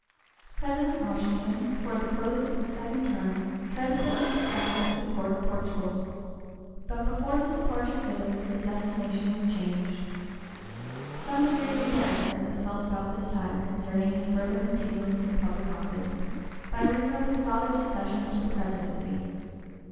President Washington, toward the close of his second term, transferred Mr. Adams to the Court of Portugal. But before his departure thither his destination was changed. Some degree of embarrassment was felt about this time concerning his further continuance in public office, by reason of his father's accession to the Presidency.